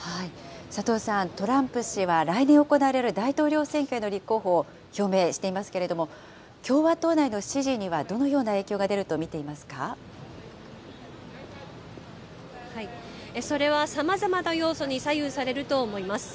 佐藤さん、トランプ氏は来年行われる大統領選挙への立候補を表明していますけれども、共和党内の支持にはどのような影響が出それはさまざまな要素に左右されると思います。